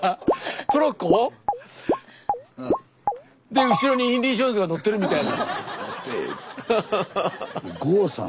で後ろにインディ・ジョーンズが乗ってるみたいな。